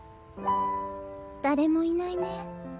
誰もいないね。